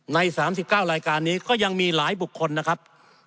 ใน๓๙รายการนี้ก็ยังมีหลายบุคคลนะครับ